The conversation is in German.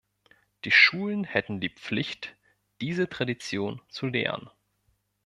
Die Schulen hätten die Pflicht, diese Tradition zu lehren.